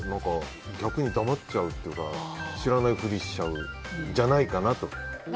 逆にだまっちゃうというか知らないふりをしちゃうんじゃないかなと。